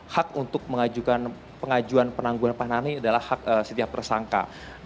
hak untuk mengajukan pengajuan penangguhan panahan ini adalah hak setiap tersangka